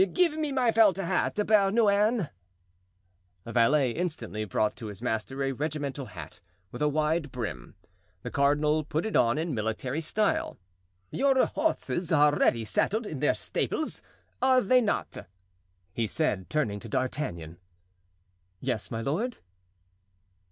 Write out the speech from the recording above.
Give me my felt hat, Bernouin." The valet instantly brought to his master a regimental hat with a wide brim. The cardinal put it on in military style. "Your horses are ready saddled in their stables, are they not?" he said, turning to D'Artagnan. "Yes, my lord."